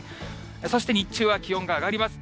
そして日中は気温が上がります。